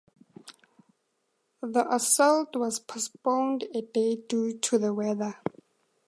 The assault was postponed a day due to the weather.